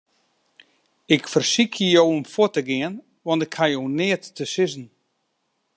Ik fersykje jo om fuort te gean, want ik haw jo neat te sizzen.